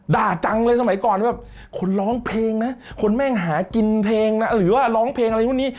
ดังเลยสมัยก่อนแบบคนร้องเพลงนะคนแม่งหากินเพลงนะหรือว่าร้องเพลงอะไรพวกนี้